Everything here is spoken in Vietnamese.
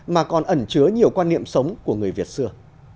mà còn ẩn chứa nhiều quan niệm sống của người việt xưa